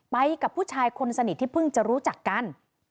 ไปกับผู้ชายคนสนิทที่เพิ่งจะรู้จักกัน